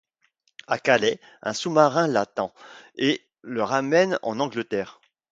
À Calais, un sous-marin l'attend et le ramène en Angleterre.